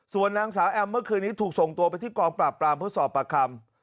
ส่วนนางสาวแอมเมื่อคืนนี้ถูกส่งตัวไปที่กองปราบปรามเพื่อสอบประคำ